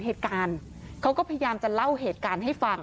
เหตุการณ์เขาก็พยายามจะเล่าเหตุการณ์ให้ฟัง